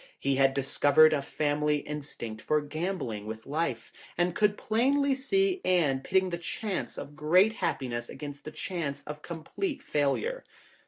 He had discovered a family in stinct for gambling with life, and could plainly see Anne pitting the chance of great happiness against the chance of complete failure.